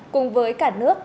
cùng với cả nước